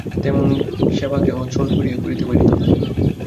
তেমন সেবা কেহ ছল করিয়া করিতে পারিত না।